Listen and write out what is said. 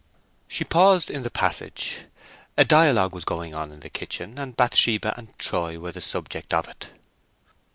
She paused in the passage. A dialogue was going on in the kitchen, and Bathsheba and Troy were the subject of it.